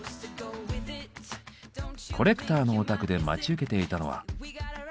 コレクターのお宅で待ち受けていたのは。